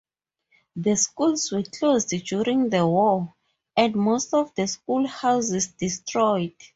The schools were closed during the war and most of the school houses destroyed.